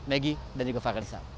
maggie dan juga farhan nisa